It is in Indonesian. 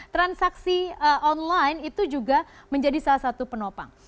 transaksi online itu juga menjadi salah satu penopang